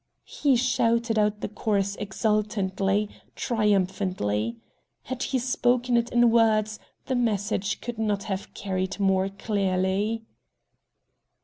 He shouted out the chorus exultantly, triumphantly. Had he spoken it in words, the message could not have carried more clearly.